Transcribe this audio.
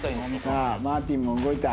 さあマーティンも動いた。